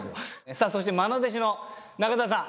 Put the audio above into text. さあそしてまな弟子の中澤さん。